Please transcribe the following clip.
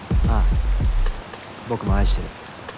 ああ僕も愛してる。